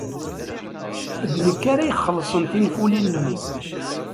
D nekk ara ixellṣen tinfulin-nni.